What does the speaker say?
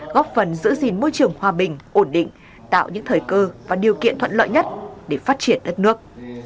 góp phần giữ gìn môi trường hòa bình ổn định tạo những thời cơ và điều kiện thuận lợi nhất để phát triển đất nước